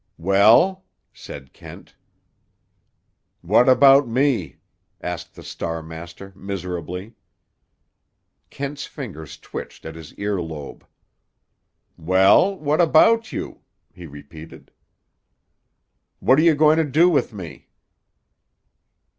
"Well?" said Kent. "What about me?" asked the Star master miserably. Kent's fingers twitched at his ear lobe. "Well, what about you?" he repeated. "What are you going to do with me?"